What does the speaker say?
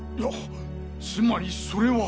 つまりそれは。